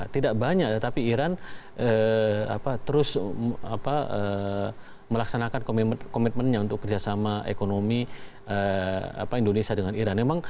tidak banyak tapi iran terus melaksanakan komitmennya untuk kerjasama ekonomi indonesia dengan iran